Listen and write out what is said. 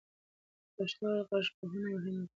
د پښتو غږپوهنه مهمه ده.